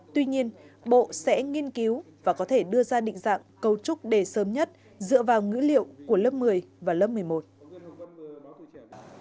tuy nhiên bộ sẽ nghiên cứu và có thể đưa ra định dạng cấu trúc đề sớm nhất dựa vào ngữ liệu của lớp một mươi và lớp một mươi một